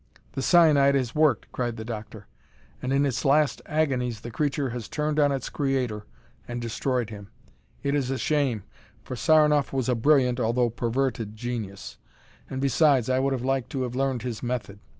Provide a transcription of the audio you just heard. "The cyanide has worked," cried the doctor, "and in its last agonies the creature has turned on its creator and destroyed him. It is a shame, for Saranoff was a brilliant although perverted genius, and besides, I would have liked to have learned his method.